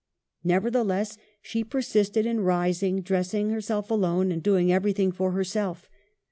Nevertheless she persisted in rising, dressing herself alone, and doing everything for herself.